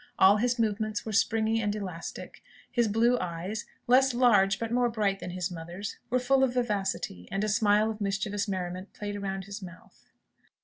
All his movements were springy and elastic. His blue eyes less large, but more bright than his mother's were full of vivacity, and a smile of mischievous merriment played round his mouth.